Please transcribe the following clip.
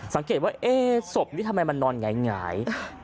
สังเกตว่าศพนี้ทำไมมันนอนหงาย